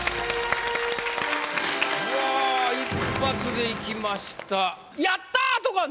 うわ一発でいきました。